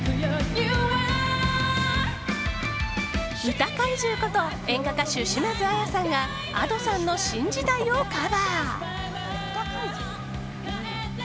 歌怪獣こと演歌歌手・島津亜矢さんがＡｄｏさんの「新時代」をカバー。